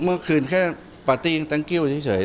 เมื่อคืนแค่ปาร์ตี้ยังตั้งกิ้วเฉย